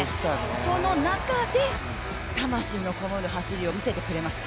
その中で魂のこもる走りを見せてくれました。